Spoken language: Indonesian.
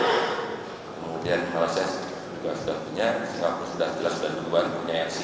kemudian malaysia juga sudah punya singapura sudah jelaskan juga punya rcn